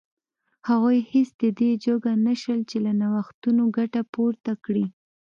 هغوی هېڅ د دې جوګه نه شول چې له نوښتونو ګټه پورته کړي.